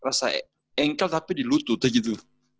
rasa ankle tapi di lutut aja gitu